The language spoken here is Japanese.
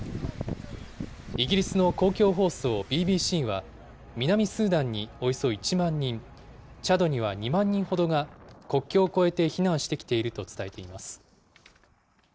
イギリスの公共放送ＢＢＣは、南スーダンにおよそ１万人、チャドには２万人ほどが、国境を越えて避難してきていると伝えています。